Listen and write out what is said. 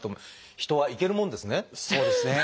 人はいけるもんですね。